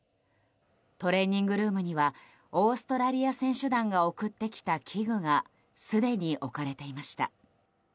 トレーニングルームにはオーストラリア選手団が送ってきた器具がすでに置かれていました。